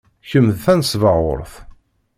Kemm d tanesbaɣurt.